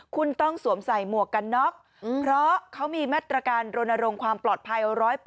คุณต้องสวมใส่หมวกกันน็อกเพราะเขามีมาตรการรณรงค์ความปลอดภัย๑๐๐